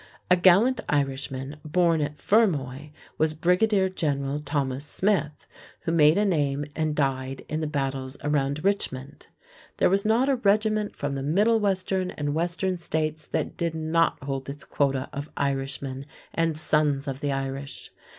A gallant Irishman, born at Fermoy, was Brigadier General Thomas Smyth, who made a name and died in the battles around Richmond. There was not a regiment from the middle western and western States that did not hold its quota of Irishmen and sons of the Irish.